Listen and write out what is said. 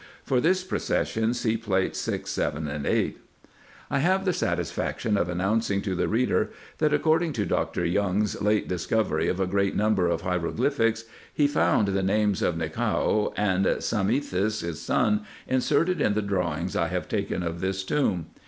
For this procession see Plates 6, 7, and 8. I have the satisfaction of announcing to the reader, that, according to Dr. Young's late discovery of a great number of hieroglyphics, he found the names of Nichao and Psammethis his son, inserted in the drawings I have taken of this tomb.